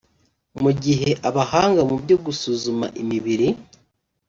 mu gihe abahanga mu byo gusuzuma imibiri